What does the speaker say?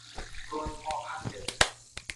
U doimo haq edi